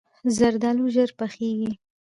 زردالو ژر پخیږي.